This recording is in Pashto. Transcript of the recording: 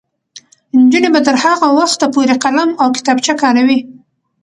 نجونې به تر هغه وخته پورې قلم او کتابچه کاروي.